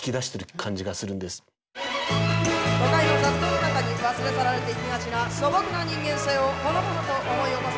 都会の雑踏の中に忘れ去られていきがちな素朴な人間性をほのぼのと思い起こさせてくれます。